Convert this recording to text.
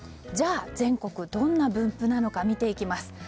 じゃあ全国どんな分布なのか見ていきます。